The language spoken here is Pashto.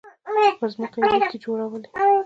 پر ځمکه يې ليکې جوړولې.